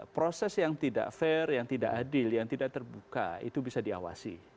proses yang tidak fair yang tidak adil yang tidak terbuka itu bisa diawasi